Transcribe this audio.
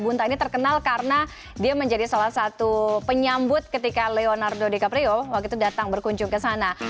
bunta ini terkenal karena dia menjadi salah satu penyambut ketika leonardo dicaprio waktu itu datang berkunjung ke sana